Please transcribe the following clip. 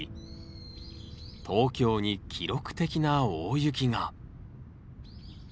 東京に記録的な大雪が。